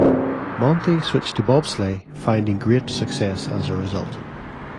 Monti switched to bobsleigh, finding great success as a result.